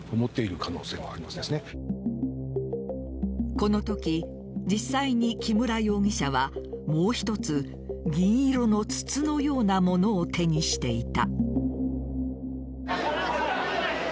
このとき、実際に木村容疑者はもう一つ銀色の筒のようなものを手にしていた。